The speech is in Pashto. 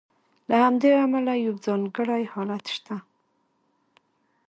له همدې امله یو ځانګړی حالت شته.